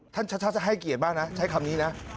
ชัชชาติจะให้เกียรติบ้างนะใช้คำนี้นะ